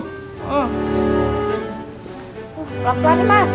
pelan pelan nih mas